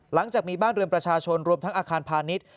หลังจากมีบ้านเรือนประชาชนรวมทั้งอาคารพาณิชย์